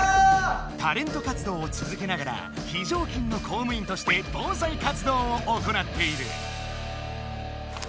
タレント活動をつづけながらひじょうきんの公務員としてぼうさい活動を行っている。